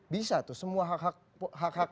bisa tuh semua hak hak ekonomi bisa didapat